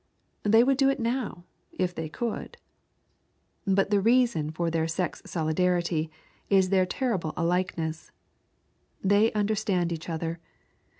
They would do it now, if they could. But the real reason for their sex solidarity is their terrible alikeness. They understand each other.